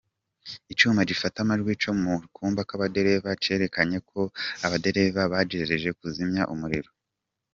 Icuma gifata amajwi co mu kumba k'abadereva cerekanye ko abadereva bagerageje kuzimya umuriro.